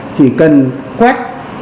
chỉ cần quét